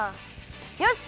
よし！